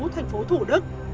thành phố thủ đức